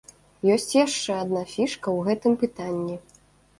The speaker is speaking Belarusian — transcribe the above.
Ёсць яшчэ адна фішка ў гэтым пытанні.